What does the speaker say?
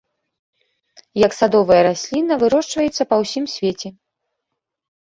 Як садовая расліна вырошчваецца па ўсім свеце.